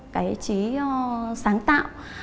cái trí sáng tạo